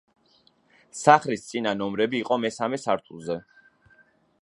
სახლის წინა ნომრები იყო მესამე სართულზე.